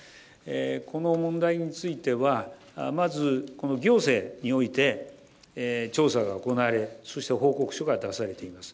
この問題については、まず行政において調査が行われ、そして報告書が出されています。